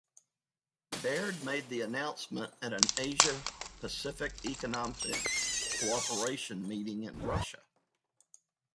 Baird made the announcement at an Asia-Pacific Economic Cooperation meeting in Russia.